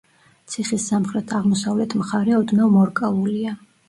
ციხის სამხრეთ-აღმოსავლეთ მხარე ოდნავ მორკალულია.